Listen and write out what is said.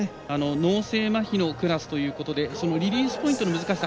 脳性まひのクラスということでリリースポイントの難しさ